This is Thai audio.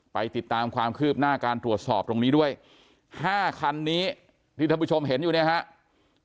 ไปติดตามความคืบหน้าการตรวจสอบตรงนี้ด้วย๕คันนี้ที่ท่านผู้ชมเห็นอยู่เนี่ยครับ